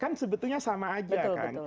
kan sebetulnya sama aja kan